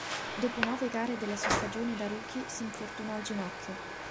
Dopo nove gare della sua stagione da rookie si infortunò al ginocchio.